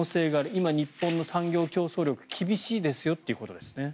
今、日本の産業競争力厳しいですよということですね。